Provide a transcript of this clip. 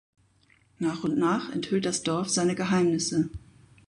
Nach und nach enthüllt das Dorf seine Geheimnisse.